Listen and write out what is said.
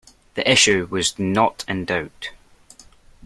The issue was not in doubt.